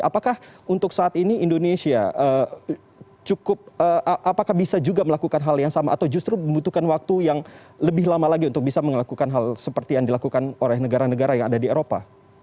apakah untuk saat ini indonesia cukup apakah bisa juga melakukan hal yang sama atau justru membutuhkan waktu yang lebih lama lagi untuk bisa melakukan hal seperti yang dilakukan oleh negara negara yang ada di eropa